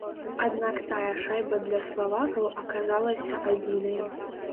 Аднак тая шайба для славакаў аказалася адзінай.